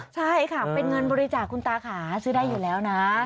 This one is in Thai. ใช่ค่ะเป็นเงินบริจาคคุณตาขาซื้อได้อยู่แล้วนะ